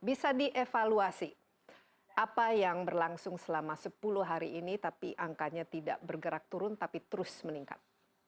bisa dievaluasi apa yang berlangsung selama sepuluh hari ini tapi angkanya tidak bergerak turun tapi terus meningkat